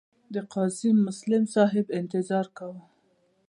د قاضي مسلم صاحب انتظار کاوه.